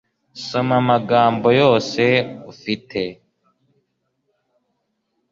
soma amagambo yose ufite